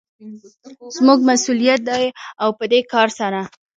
زموږ مسوليت دى او په دې کار سره